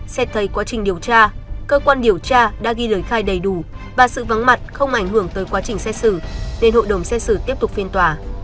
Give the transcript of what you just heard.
xét thấy quá trình điều tra cơ quan điều tra đã ghi lời khai đầy đủ và sự vắng mặt không ảnh hưởng tới quá trình xét xử nên hội đồng xét xử tiếp tục phiên tòa